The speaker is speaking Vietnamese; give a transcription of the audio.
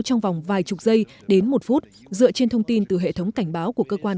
trong vòng vài chục giây đến một phút dựa trên thông tin từ hệ thống cảnh báo của cơ quan